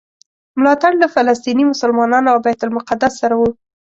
ملاتړ له فلسطیني مسلمانانو او بیت المقدس سره و.